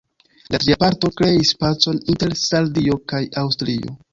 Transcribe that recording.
La tria parto kreis pacon inter Sardio kaj Aŭstrio.